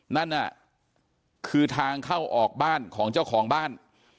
นั่นน่ะคือทางเข้าออกบ้านของเจ้าของบ้าน